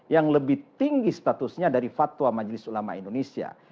yang lebih tinggi statusnya dari fatwa majelis ulama indonesia